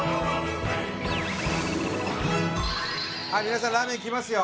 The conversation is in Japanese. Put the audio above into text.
皆さんラーメンきますよ。